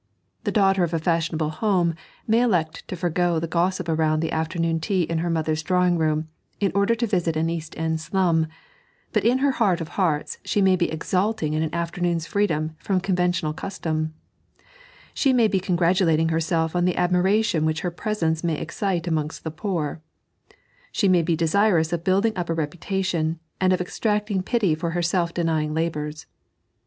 The daughter of a fashionable home may elect to fore^ the gossip around the afternoon tea in her mother's drawing room, in order to visit an East End slum, but in her heaji^ of hearts she may be exulting in an afternoon's freedom from conventional custom ; she may be congratulating her self on the admiration which her presence may excite amongst the poor ; she may be desirous of building up a reputation, and of extracting pity for her self denying labours.